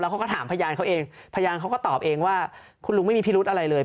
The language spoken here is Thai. เขาก็ถามพยานเขาเองพยานเขาก็ตอบเองว่าคุณลุงไม่มีพิรุธอะไรเลย